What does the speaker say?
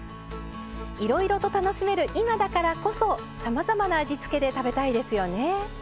いろいろと楽しめる今だからこそさまざまな味付けで食べたいですよね。